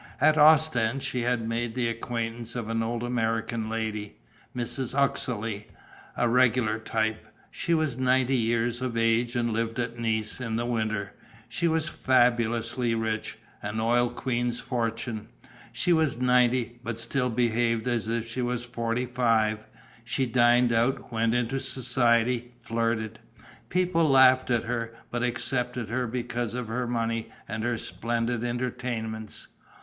At Ostend she had made the acquaintance of an old American lady, Mrs. Uxeley, a regular type. She was ninety years of age and lived at Nice in the winter. She was fabulously rich: an oil queen's fortune. She was ninety, but still behaved as if she were forty five. She dined out, went into society, flirted. People laughed at her but accepted her because of her money and her splendid entertainments.